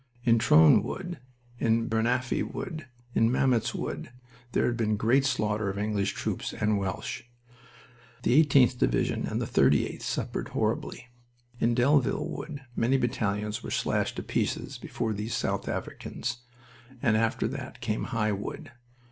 In Trones Wood, in Bernafay Wood, in Mametz Wood, there had been great slaughter of English troops and Welsh. The 18th Division and the 38th suffered horribly. In Delville Wood many battalions were slashed to pieces before these South Africans. And after that came High Wood..